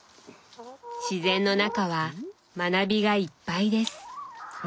自然の中は学びがいっぱいです。